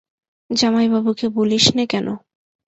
জামাইবাবুকে বলিস নে কেন।